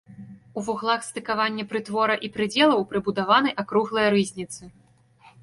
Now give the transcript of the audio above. У вуглах стыкавання прытвора і прыдзелаў прыбудаваны акруглыя рызніцы.